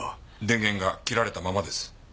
電源が切られたままです。